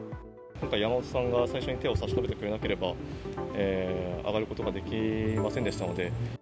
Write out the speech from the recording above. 今回、山本さんが最初に手を差し伸べてくれなければ、上がることができませんでしたので。